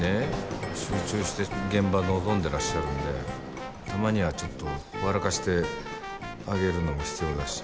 集中して現場臨んでらっしゃるんでたまにはちょっと笑かしてあげるのも必要だし。